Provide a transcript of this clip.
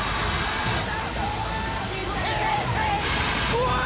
怖い！